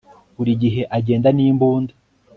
Buri gihe agenda nimbunda